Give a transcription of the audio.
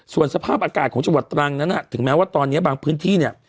ส่วนสภาพอากาศของชวดตรังดังนะถึงแม้ตอนเนี้ยว่าบางพื้นที่เนี่ย